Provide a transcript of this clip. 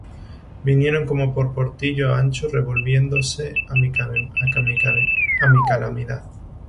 Vinieron como por portillo ancho, Revolviéronse á mi calamidad.